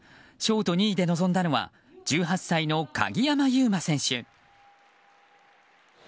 ショート２位で臨んだのは１８歳の鍵山優真選手。